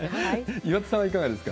岩田さんはいかがですか？